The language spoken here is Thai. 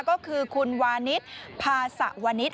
ก็คือคุณวานิสพาสะวนิษฐ